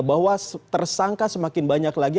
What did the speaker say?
bahwa tersangka semakin banyak lagi